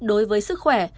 đối với sức khỏe